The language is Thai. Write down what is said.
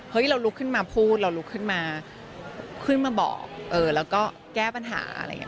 เราลุกขึ้นมาพูดเราลุกขึ้นมาขึ้นมาบอกแล้วก็แก้ปัญหาอะไรอย่างนี้